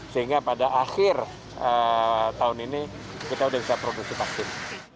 sehingga pada akhir tahun ini kita sudah bisa produksi vaksin